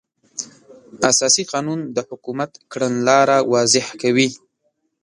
اساسي قانون د حکومت کړنلاره واضح کوي.